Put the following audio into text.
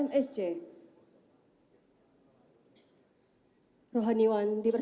wakil ketua photographer